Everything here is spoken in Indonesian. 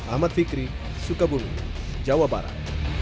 ahmad fikri sukabumi jawa barat